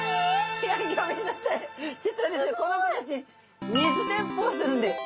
実はこの子たち水鉄砲するんです。